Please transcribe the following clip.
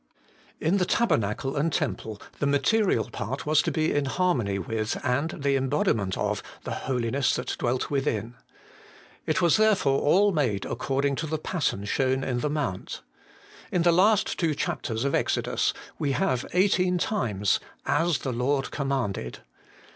7. In the tabernacle and temple, the material part was to be in harmony with, and the embodiment of, the holiness that dwelt within. It was there fore all made according to the pattern shown in the mount. In the two last chapters of Exodus, we have eighteen times 'as the Lord commanded.'